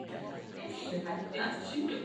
South Ockendon is an ancient parish.